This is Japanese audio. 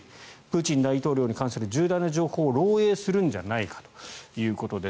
プーチン大統領に関する重大な情報を漏えいするんじゃないかということです。